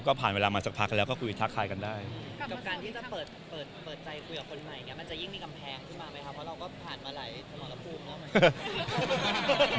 เพราะเราก็ผ่านมาหลายธรรมและภูมิเพราะว่าไม่ใช่